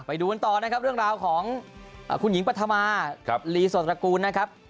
ไปดูกันต่อนะครับเรื่องราวของคุณหญิงปฐมาลีสดตระกูลนะครับ